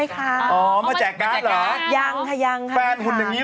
เขาหากันยังไง